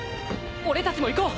俺たちも行こう。